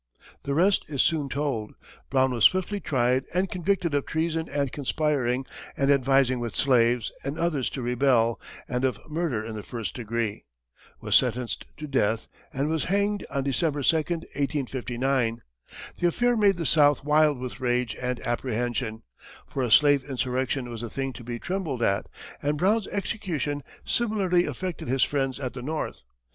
The rest is soon told. Brown was swiftly tried and convicted of "treason and conspiring and advising with slaves and others to rebel, and of murder in the first degree," was sentenced to death, and was hanged on December 2, 1859. The affair made the South wild with rage and apprehension, for a slave insurrection was a thing to be trembled at, and Brown's execution similarly affected his friends at the North.